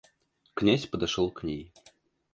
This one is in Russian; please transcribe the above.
Князь подошёл к ней.